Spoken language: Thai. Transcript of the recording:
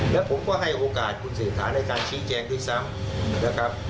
แล้วผมก็ให้โอกาสคุณเศรษฐาในการชี้แจงด้วยซ้ำนะครับ